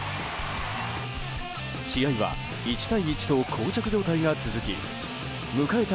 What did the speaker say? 試合は１対１と膠着状態が続き迎えた